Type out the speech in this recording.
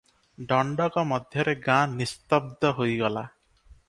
ଦଣ୍ତକ ମଧ୍ୟରେ ଗାଁ ନିସ୍ତବ୍ଧ ହୋଇଗଲା ।